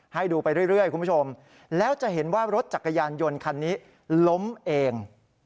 ให้ดูไปเรื่อยคุณผู้ชมแล้วจะเห็นว่ารถจักรยานยนต์คันนี้ล้มเอง